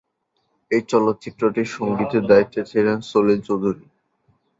এই চলচ্চিত্রটির সঙ্গীতের দায়িত্বে ছিলেন সলিল চৌধুরী।